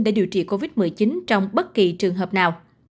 để điều trị covid một mươi chín trong bất kỳ trường hợp nào